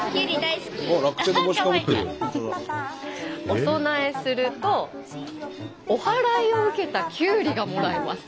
お供えするとお祓いを受けたきゅうりがもらえます。